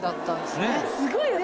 すごいよ！